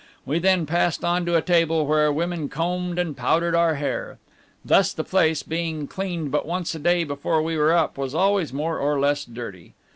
We then passed on to a table, where women combed and powdered our hair. Thus the place, being cleaned but once a day before we were up, was always more or less dirty.